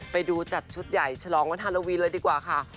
ไปดูจัดชุดใหญ่ฉลองวันฮาโลวีนเลยดีกว่าค่ะ